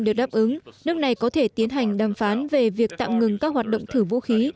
để đáp ứng nước này có thể tiến hành đàm phán về việc tạm ngừng các hoạt động thử vũ khí